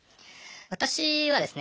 私はですね